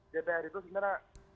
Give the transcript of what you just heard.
dpr itu sebenarnya